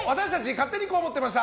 勝手にこう思ってました！